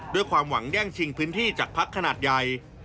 ด้วยความหวังแย่งชิงพื้นที่จากพักขนาดใหญ่